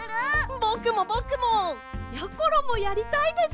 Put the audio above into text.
ぼくもぼくも！やころもやりたいです！